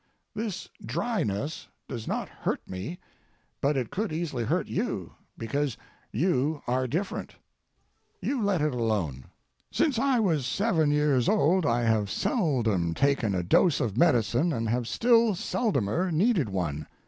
This dryness does not hurt me, but it could easily hurt you, because you are different. You let it alone. Since I was seven years old I have seldom taken a dose of medicine, and have still seldomer needed one.